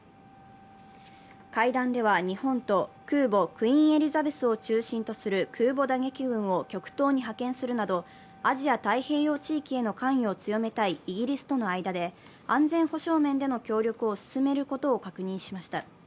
会談では、日本と空母「クイーン・エリザベス」を中心とする空母打撃群を極東に派遣するなどアジア太平洋地域への関与を強めたいイギリスとの間で安全保障面での協力を進めることを確認しました。